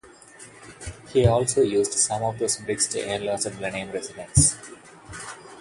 He also used some of those bricks to enlarge the Blenheim residence.